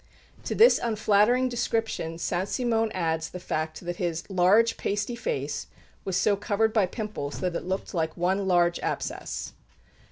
To this unflattering description, Saint Simon adds the fact that his "large, pasty face was so covered by pimples that it looked like one large abscess.'"